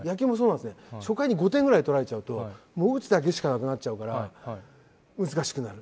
初回に５点ぐらい取られちゃうと打つだけしかなくなっちゃうから難しくなる。